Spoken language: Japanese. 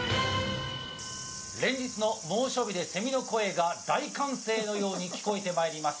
連日の猛暑日でセミの声が大歓声のように聞こえてまいります。